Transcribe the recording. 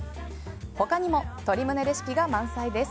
他にも鶏胸レシピが満載です。